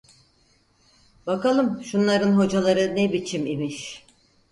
Bakalım şunların hocaları ne biçim imiş?